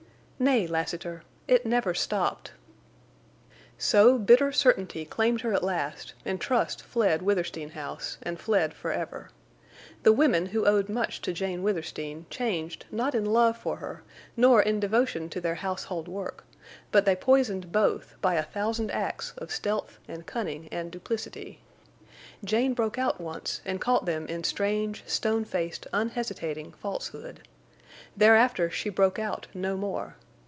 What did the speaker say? "Nay, Lassiter—it never stopped!" So bitter certainty claimed her at last, and trust fled Withersteen House and fled forever. The women who owed much to Jane Withersteen changed not in love for her, nor in devotion to their household work, but they poisoned both by a thousand acts of stealth and cunning and duplicity. Jane broke out once and caught them in strange, stone faced, unhesitating falsehood. Thereafter she broke out no more.